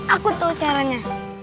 aku tau caranya